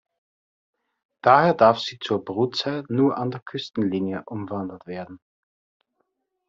Daher darf sie zur Brutzeit nur an der Küstenlinie umwandert werden.